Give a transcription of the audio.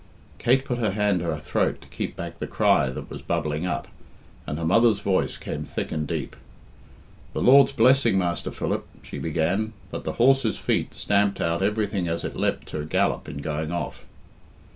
Kate put her hand to her throat to keep back the cry that was bubbling up, and her mother's voice came thick and deep. "The Lord's blessing. Master Philip " she began, but the horse's feet stamped out everything as it leapt to a gallop in going off.